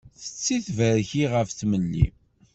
Tetti tberki ɣef tmelli.